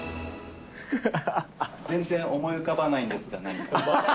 全然思い浮かばないんですがなにか。